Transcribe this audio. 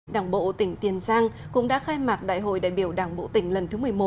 đảng bộ tỉnh tiền giang cũng đã khai mạc đại hội đại biểu đảng bộ tỉnh lần thứ một mươi một